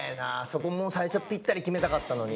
そこもう最初ぴったり決めたかったのに。